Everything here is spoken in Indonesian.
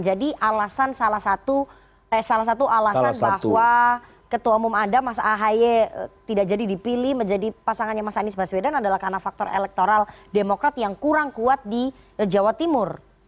jadi alasan salah satu salah satu alasan bahwa ketua umum anda mas ahy tidak jadi dipilih menjadi pasangannya mas anies baswedan adalah karena faktor elektoral demokrat yang kurang kuat di jawa timur